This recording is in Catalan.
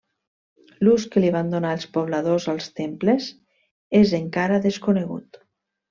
L'ús que li van donar els pobladors als temples és encara desconegut.